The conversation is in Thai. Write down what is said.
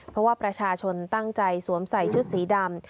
เพราะว่าประชาชนตั้งใจสวมใส่ชุดสีดำ